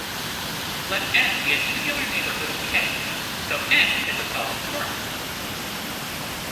Let "N" be a tubular neighborhood of "K"; so "N" is a solid torus.